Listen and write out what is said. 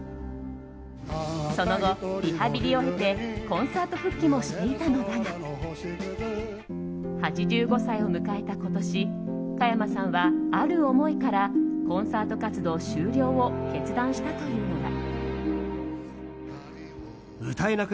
その後、リハビリを経てコンサート復帰もしていたのだが８５歳を迎えた今年加山さんは、ある思いからコンサート活動終了を決断したというのだ。